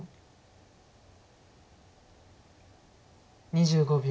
２５秒。